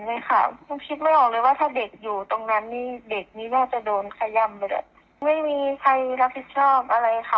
นี่แบบจะโดนขย่ำเลยแหละไม่มีใครรับผิดชอบอะไรค่ะ